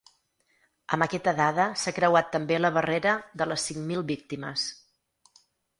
Amb aquesta dada s’ha creuat també la barrera de les cinc mil víctimes.